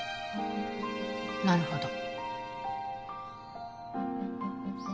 なるほど。